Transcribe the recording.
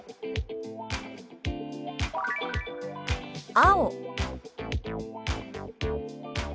「青」。